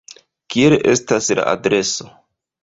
Kiel estas la adreso?